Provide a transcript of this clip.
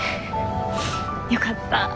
よかった。